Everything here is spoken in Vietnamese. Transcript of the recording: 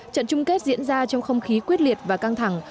trận chung kết diễn ra trong không khí quyết liệt và căng thẳng